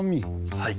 はい。